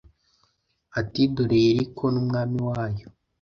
ati dore yeriko n'umwami wayo